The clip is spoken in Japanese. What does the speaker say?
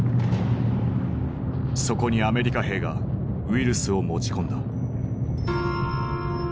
そこにアメリカ兵がウイルスを持ち込んだ。